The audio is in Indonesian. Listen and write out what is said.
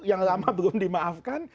yang lama belum dimaafkan